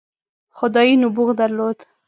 خدايي نبوغ درلود.